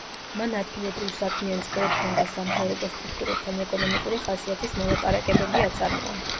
მან ადგილობრივ საქმიან წრეებთან და სამთავრობო სტრუქტურებთან ეკონომიკური ხასიათის მოლაპარაკებები აწარმოა.